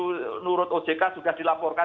menurut ojk sudah dilaporkan